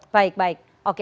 baik baik oke